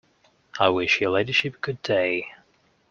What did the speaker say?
I wish your ladyship good day.